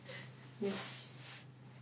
よし。